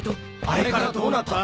あれからどうなった？